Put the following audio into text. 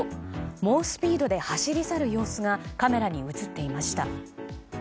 猛スピードで走り去る様子がカメラに映っていました。